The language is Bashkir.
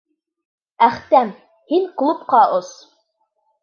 Әхтәм, һин клубҡа ос!